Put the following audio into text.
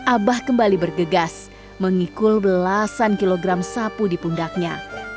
abah kembali bergegas mengikul belasan kilogram sapu di pundaknya